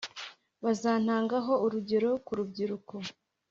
bazantangaho urugero ku rubyiruko